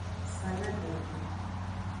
Saladagbe.